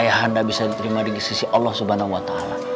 ayah anda bisa diterima di sisi allah swt